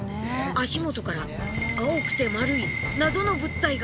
足元から青くて丸い謎の物体が。